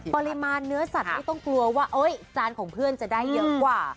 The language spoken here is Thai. ปริมาณเนื้อสัตว์ไม่ต้องกลัวว่าจานของเพื่อนจะได้เยอะกว่า